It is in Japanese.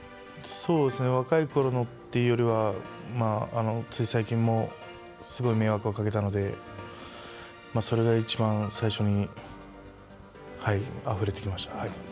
若いころのというよりはつい最近も、すごい迷惑をかけたので、それがいちばん最初にあふれてきました。